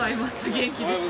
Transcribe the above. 元気でした？